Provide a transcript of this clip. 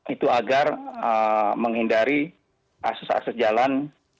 itu agar menghindari akses akses jalan